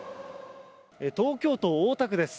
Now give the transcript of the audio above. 東京都大田区です。